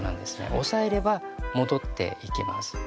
押さえれば戻っていきます。